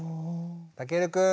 たけるくん